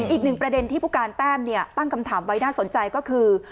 อีกหนึ่งประเด็นที่ผู้การแต้มตั้งคำถามไว้น่าสนใจก็คือ